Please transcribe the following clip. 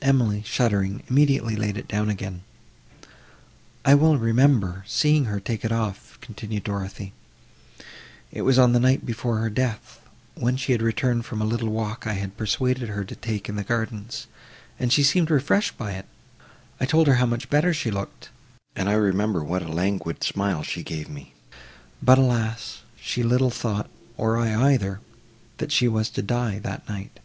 Emily, shuddering, immediately laid it down again. "I well remember seeing her take it off," continued Dorothée, "it was on the night before her death, when she had returned from a little walk I had persuaded her to take in the gardens, and she seemed refreshed by it. I told her how much better she looked, and I remember what a languid smile she gave me; but, alas! she little thought, or I either, that she was to die that night."